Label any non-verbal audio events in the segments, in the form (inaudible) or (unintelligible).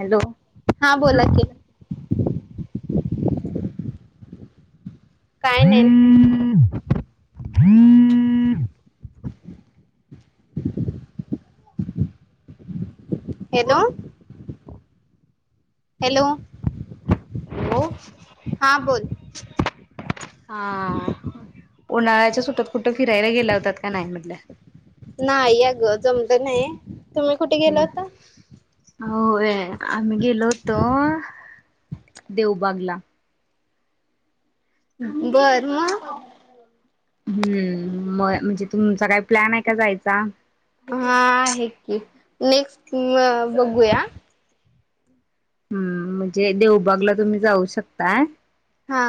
Hello. हा बोला की. काय नाही. हम्. (inaudible) हॅलो. हॅलो हॅलो हा बोल. हा उन्हाळ्याच्या सुटत कुठं फिरायला गेल्या होतात का नाही म्हटलं. नाही या ग जमलं नाही. तुम्ही कुठे गेला होता हम् होवे. आम्ही गेलो होत देवबागला. बर मग. हम्म म म्हणजे तुमचा काय प्लॅन आहे, का जायचा. हा आहे की. नेक्स्ट म बघूया. हम्म म्हणजे देवबागला तुम्ही जाऊ शकताय. हा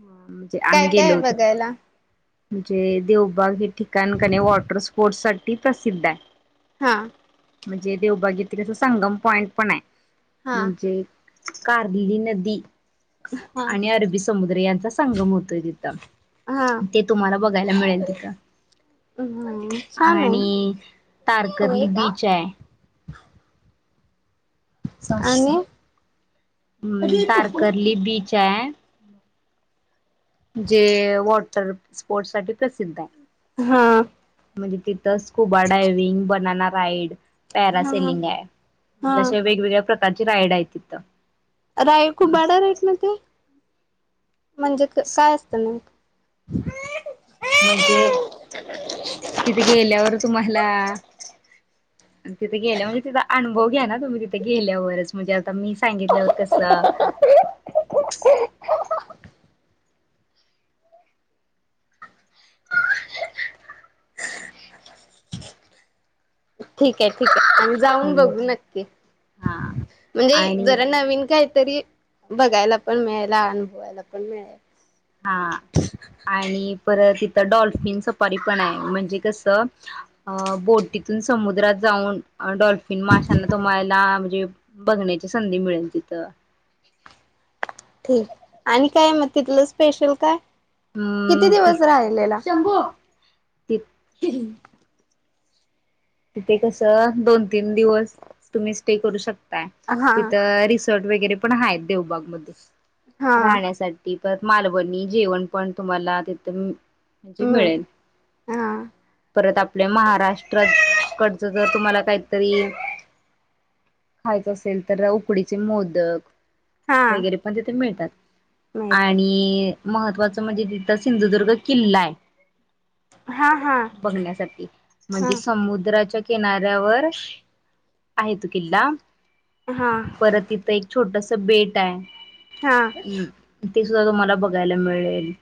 म्हणजे काय आम्ही काय गेलो आहे होतो. बघायला म्हणजे देवबाग हे ठिकाण कणे वॉटर स्पोर्टस साठी प्रसिद्ध आहे. हा. म्हणजे देवभग येत संगम पॉईंट पण आहे हा म्हणजे. कारली नदी. हा आणि अरबी समुद्र यांचा संगम होतोय तिथं. हा ते तुम्हाला बघायला मिळेल तिथं. छान आहे आणि होय तारकर्ली का बीच आहे. आणि. हम्म तारकर्ली बीच आहे. जे वॉटर स्पोर्ट साठी प्रसिद्ध आहे. हा. म्हणजे तिथं scuba diving banana ride. Para हा सलिंग आहे, हा म्हणजे अे वेगवेगळ्या प्रकारचे राईड आहेत तिथं. रा खूप वाडा राईट ना ते (unintelligible) म्हणजे क काय असतं नेमकं. म्हणजे तिथे गेल्यावर तुम्हाला. तिथे गेल्या तीजा अनुभव घ्या ना तुम्ही तिथे गेल्यावरच म्हणजे आता मी सांगितल्यावर कसं. (inaudible) ह ठीक आहे ठीके आणि् जाऊन बघू नक्की हा म्हणजे आणि जरा नवीन काहीतरी बघायला पण मिळेल अनुभवायला पण मिळेल हा आणि परत तथं डॉल्फिन सपारी पण आहे म्हणजे कसं बोटीतून समुद्रात जाऊन डल्फ माशांना तुम्हाला म्हणजे बघण्याची संधी मिळेल तिथं क आणि काय मग तिथलं स्पेशल काय किती अम दिवस राहिलेला शंभू ति तिथे कस दोन तीन दिवस तुम्ही स्टे करू शकता हा तिथ रिसॉर्ट वगैरे पण आहेत देवबाग म हा राहण्यासाठी मालवणी जेवण पण तुम्हाला तिथ म्हणजे हम्म मिळेल हा परत आपल्या महाराष्ट्रात जर तुम्हाला काहीतरी खायच असेल तर उकडीचे मोदक हा वगैरे पण तिथे मिळतात मिळत आणि मह म्हणजे तिथ सिंधुदुर्ग किल्ला आहे हा हा बघण्यासाठी हा हा म्हणजे समुद च्या किनाऱ्यावर आहे तू किल्ला परत इथं एक छोटस बेट आहे हा ते सुद्धा तुम्हाला बघायला मिळेल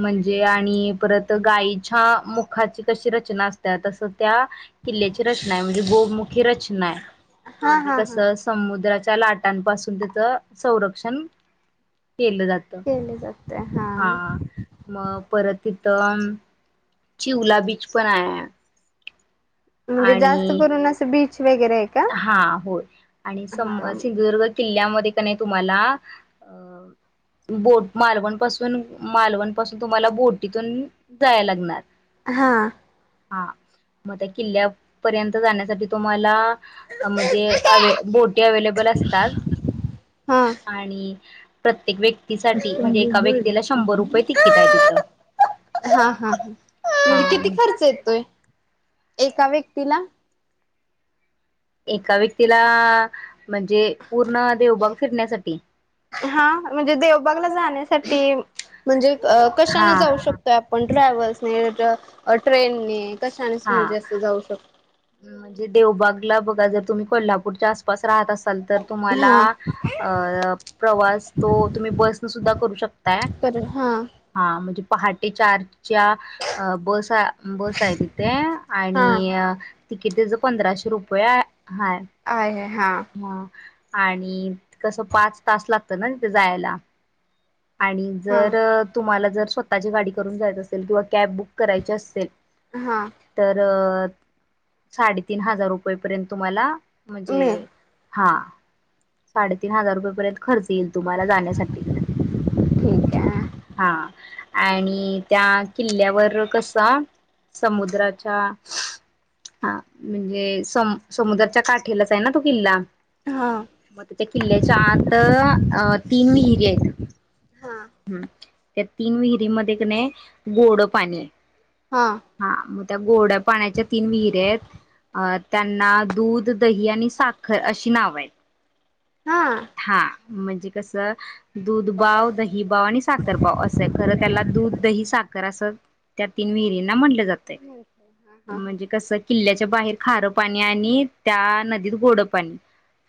म्हणजे आणि परत गायच्या मुखाची कशी रचना असत असं त्या किल्ल्याची रचना आहे म्हणजे गोमुखी रचना आहे हा म्हणजे हा हा कसं समुद्रा लाटांपासून त्याच संरक्षण केलं जात केले जाते हा मग परत तिथ चि उला बीच पण आहे म्हणजे जास्त आणि करून असं बीच वगैरे आहे का हा होय आणि स हा सिंधुदुर्ग किल्ल्यामध्ये तुम्हाला ब मालवण पा मालवण पाासून तुम्हाला बोटीतून जाय लागणार हा हा हा मग त्या किल्ल्या पर्यंत जाण्यासाठी तुम्हाला म्हणजे अ बोटी अवेलेबल असतात हा आणि प्रत्येक व्यक्तीसाठी म्हणजे एका व्यक्तीला शंभर रुपये तिकीट आहे तिथं हा हा ह म्हणजे किती हा खर्च येतोय एका व्यक्तीला एका व्यक्तीला म्हणजे पूर्ण देवभग फिरण्यासाठी हा म्हणजे देवबागला जाण्यासाठी म्हणजे हा कशाान जाऊ शकतोय आपण टॅव्हल्स ट्रेनने कशाने हा म्हणजे अस जाऊ शकतो म्हणजे देवबागला बघा जर तुम्ही कोल्हापूरच्या आसपास राहत असाल तर तुम्हाला हा अ प्रवास तो तुम्ही बस न सुद्धा करू शकता पर हा हा मुजे पहाटे चारच्या बस बस आहे तिथे आणि हा तधराशे रुपये हाय आहे हा ह आणि कसं पाच तास लागतत्यात ना तिथं जायला आणि हा जर अ तुम्हाला जर स्वतःची गाडी करून जायचं असेल किंवा कॅब बुक करायची असेल हा तर अ साडे तीन हजार रुपय पर्यंत तुम्हाला म्हणजे मी हा साडेतीन हजार रुपये पर्यंत खर्च यील तुम्हाला जाण्यासाठी ठीक आहे हा आणि त्या किल्ल्यावर कसा समुद्राच्या हा म्हणजे सम समुद्रच्या काठेलाच आहे ना तो किल्ला हा म तिथे किल्ल्याच्या आत अ अ तीन विहिरी आहेत हा हा हम्म त्या तीन विहिरीमध्ये कनय गोडं पाणी हा हाय हा म त्या गोड्या पाण्याच्या तीन विहिरी आहेत. अं त्यांना दूध, दही आणि साखर अशी नाव आहेत. हा म्हणजे कस दूध बाव, दही बाव आणि साखर बाव असंय खरं त्याला दूध, दही, साखर असं त्या तीन विहिरींना म्हणलं जातय, म्हणजे हा कसं किल्ल्याच्या बाहेर खारं पाणी आणि त्या नदीत गोडं पाणी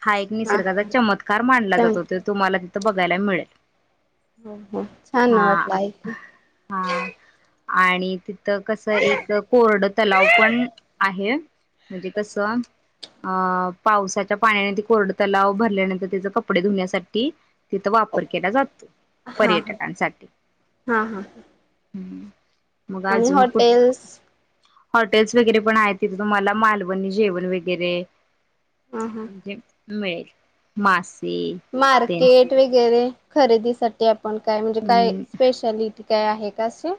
हा एक निसर्गाचा चमत्कार मानला हो जातो. त्यो तुम्हाला तिथं बघायला मिळल हो हो छान वाटलं ऐकून हा आणि तिथं कसं एक कोरड तलाव पण आहे. म्हणजे कसं अ पावसाच्या पाण्याने ती कोरडं तलाव भरल्यानंतर तेज कपडे धुण्यासाठी तिथं वापर केला जातो, हा हा पर्यटकांसाठी हा हा ह आणि हॉटेल्स हॉटेल्स वगैरे पण आहे तिथं तुम्हाला मालवणी जेवण वगैरे हा हा म्हणजे मिळेल मास मार्केट वगैरे खरेदीसाठी आपण काय म्हणजे काय हम्म स्पेशालिटी काय आहे असं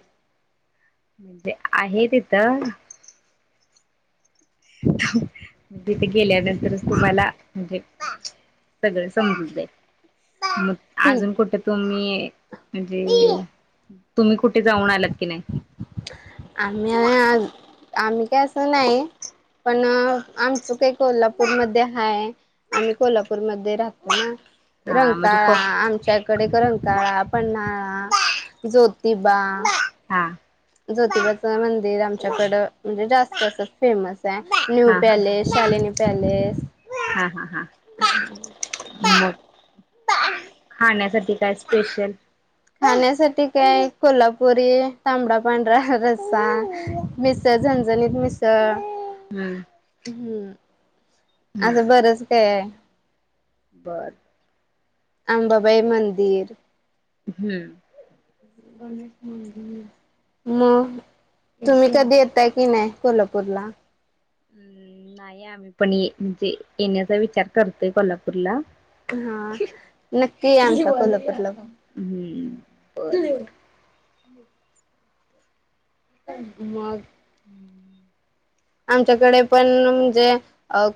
म्हणजे आहे तिथं थांब तिथे गेल्यानंतरच तुम्हाला म्हणजे सगळं समजून जाई मग ठीक. अजून कुठं तुमी म्हणजे तुम्ही कुठे जाऊन आलात कि नाही? आम्ही (unintelligible) आम्ही काय आस नाही. पण अ आमचं काय कोल्हापूरमध्ये हाय आम्ही कोल्हापूरमध्ये राहतो ना हा म्हणजे रंकाळा प आमच्याकडे रंकाळा पन्हाळा, ज्योतिबा हा ज्योतिबाचं मंदिर आमच्याकडं म्हणजे जास्त असं फेमस प्या न्यू हा पॅलेस, शालिनी पॅलेस, हा हा हा हा मग हा ही काय स्पेशल खाण्यासाठी काय कोल्हापुरी तांबडा पांढरा रसा मिसळ, झणझणीत मिसळ, हम्म हम्म हम्म असं बरंच काय हाय बर अंबाबाई मंदिर, हम्म (inaudible) म तुम्ही कधी येताय की नाय कोल्हापूरला हम्म नाही आम्ही पण ये म्हणजे येण्याचा विचार करतोय कोल्हापूरला हा नक्की आमचा खलपटलं हम्म मग आमच्याकडे पण म्हणजे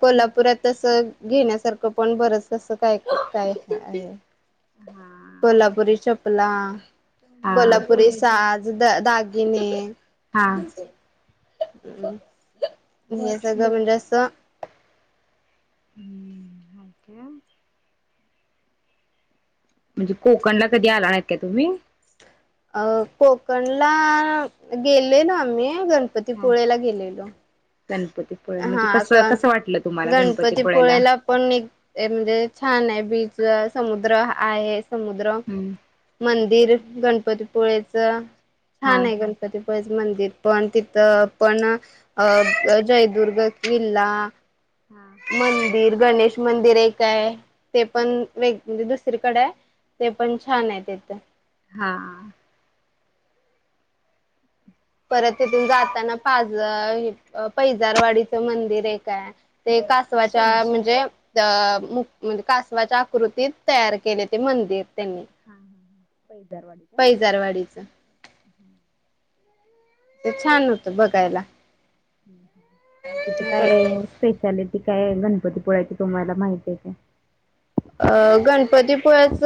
कोल्हापुरातस घेण्यासारखं पण बरच तस काय काय हा कोल्हापुरी चपला हा कोल्हापुरी साज द दागिने हा ह हे सगळं म्हणजे असं हम्म ओके म्हणजे कोकण ला कधी आला नाही का तुम्ही अ कोकणला गेले ना आम्ही हा गणपतीपोळे्याला गेलेलो गणपतीपुळे म्हणजे हा कसं का कसं वाटलं तुम्हाला गणपतीपुळेला गणपतीपोळेला पण एक म्हणजे छान आहे बीच समुद्र आहे समुद्र हम्म मंदिर गणपतीपोळेचं हा छान आहे गणपतीपळेच मंदिर पण तिथं पण अ जयदुर्ग किल्ला मंदिर गणेश मंदिर एक आहे ते पण वेग म्हणजे दुसरीकडे आहे ते पण छान आहे तिथं हा परत तथून जाताना पाझ पैजारवाडीचं मंदिर एकय ते का कासवाच्या म्हणजे अ मु म्हणजे कासवाच्या आकृतीत तयार केले ते मंदिर त्यां हो पै दारवाडी का ह ते छान होत बघायला मथ काय स्पेशलिटी काय आहे गणपतीपुळाची तुम्हाला माहिती आहे का अ गणपतीपुळेच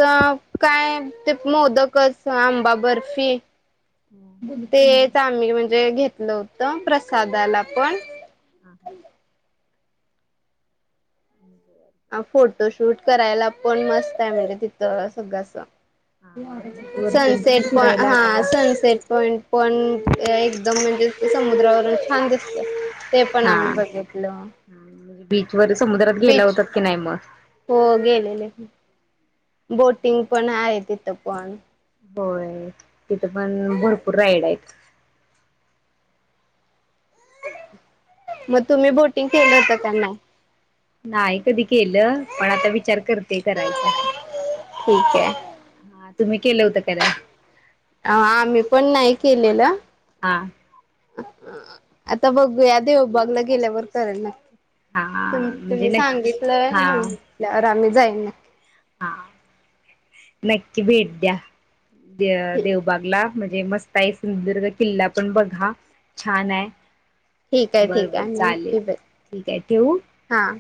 स आंबा बर्फी हा बघते य म्ही म्हणजे घेतलं होत प्रसादाला पण हा हा फोटोशूट करायला पण मस्त आहे म्हणजे तिथ सगळंस हा म्हणजे बीच वर तेन तुम्ही सनसेट प फिरायला हा सनसेट पॉंट पण एकदम म्हणजे समुद्रावरून छान दिसत ते पण आम्ही हा बघितलं म्हणजे बीच वर समुद्रात गेला बीच होतात की नाही मग हो गेलेले. बोटिंग पण आहे तिथं पण होय तिथं पण भरपूर राईड आहेत मग तुम्ही बोटिंग केलं होत त्यांना नाहीय कधी केलं पण आता विचार करते करायचा ठीक आहे तुम्ही केलं होतं काराय अ आम्ही पण नाही केलेलं हा आता बघ या देव बागला गेल्यावर कराण न हा तुम म्हणजे तुम्ही नक्की सांगितलंय हा म्हगितल्यावर आम्ही जाईना हा नक्की भेट द्या देवबागला म्हणजे मस्त आहे सुंदरग किल्ला पण बघा छान ठीक आहे आहे बर ठीक आहे बर आम्ही चालेल नक्की ब ठीक आहे ठेवू हां